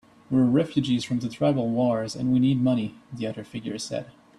"We're refugees from the tribal wars, and we need money," the other figure said.